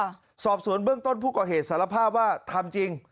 สอบสวนเบื้องต้นผู้ก่อเหตุสารภาพว่าทำจริง